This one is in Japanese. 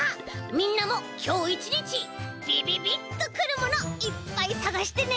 みんなもきょう１にちびびびっとくるものいっぱいさがしてね！